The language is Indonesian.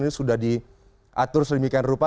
ini sudah diatur sedemikian rupa